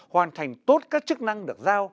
hoàn thành tốt các chức năng được giao